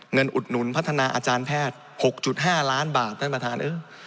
อุดหนุนพัฒนาอาจารย์แพทย์๖๕ล้านบาทท่านประธาน